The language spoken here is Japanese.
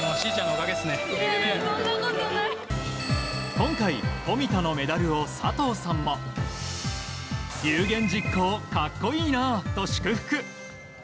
今回、富田のメダルを佐藤さんも有言実行かっこいいなあと祝福。